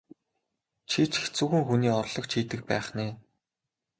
Чи ч хэцүүхэн хүний орлогч хийдэг байх нь ээ?